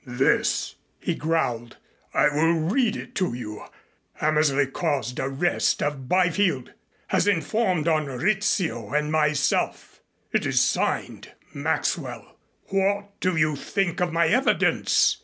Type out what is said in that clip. "This," he growled. "I will read it to you. 'Hammersley caused arrest of Byfield. Has informed on Rizzio and myself ' It's signed 'Maxwell.' What do you think of my evidence?"